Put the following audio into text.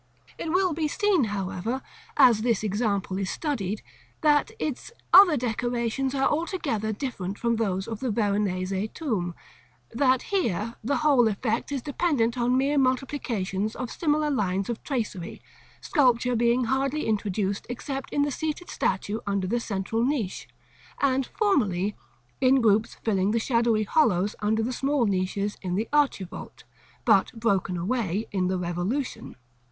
It will be seen, however, as this example is studied, that its other decorations are altogether different from those of the Veronese tomb; that, here, the whole effect is dependent on mere multiplications of similar lines of tracery, sculpture being hardly introduced except in the seated statue under the central niche, and, formerly, in groups filling the shadowy hollows under the small niches in the archivolt, but broken away in the Revolution.